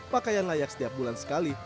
pakaian layak setiap bulan sekali